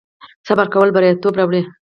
صبر کول بریالیتوب راوړي